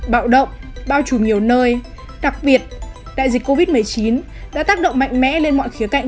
bạo động bao trùm nhiều nơi đặc biệt đại dịch covid một mươi chín đã tác động mạnh mẽ lên mọi khía cạnh